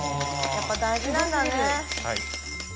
やっぱ大事なんだね。